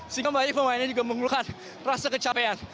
sehingga banyak pemainnya juga mengeluhkan rasa kecapean